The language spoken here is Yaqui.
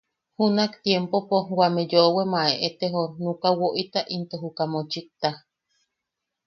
Junak tiempopo wame yoʼowem a eʼetejon nuka woʼita into juka mochikta.